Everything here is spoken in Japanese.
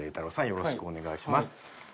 よろしくお願いします。